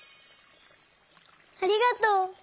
ありがとう！